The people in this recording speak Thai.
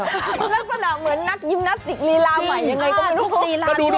ลักษณะเหมือนนักยิมนาสติกลีลาใหม่ยังไงก็เป็นลูกลีลา